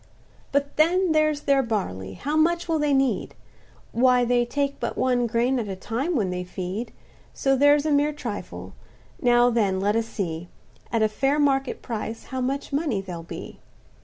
"But then there's their barley; how much will they need? Why they take but one grain at a time when they feed, So that's a mere trifle; now then let us see, At a fair market price, how much money there'll be?